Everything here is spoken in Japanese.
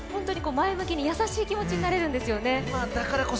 前向きに優しい気持ちになれるんですよね。